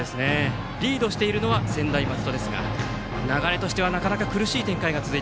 リードしているのは専大松戸ですが流れとしてはなかなか苦しい展開が続く